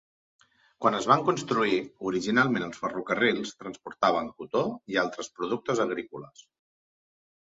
Quan es van construir, originalment els ferrocarrils transportaven cotó i altres productes agrícoles.